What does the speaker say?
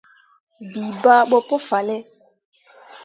Bii bah ɓo pu fahlle.